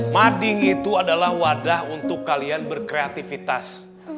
mading itu adalah wadah untuk kalian berkreativitas